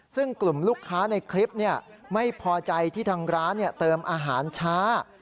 ซึ่งกลุ่มลูกค้าในคลิปไม่พอใจที่ทางร้านเติมอาหารช้า